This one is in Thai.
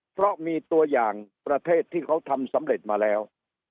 เพราะมีตัวอย่างประเทศที่เขาทำสำเร็จมาแล้ว